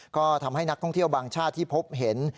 ก็ทำให้นักท่องเที่ยวบางชาติที่พบเห็น